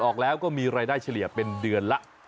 ออกแล้วก็มีรายได้เฉลี่ยเป็นเดือนละ